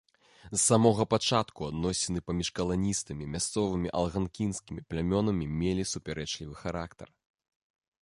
З самога пачатку адносіны паміж каланістамі і мясцовымі алганкінскімі плямёнамі мелі супярэчлівы характар.